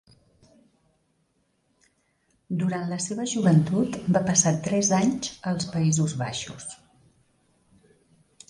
Durant la seva joventut, va passar tres anys als Països Baixos.